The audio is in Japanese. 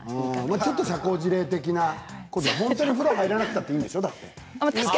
ちょっと社交辞令的な本当にお風呂に入らなくてもいいんでしょう？